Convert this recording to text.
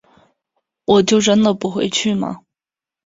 我就真的不会去吗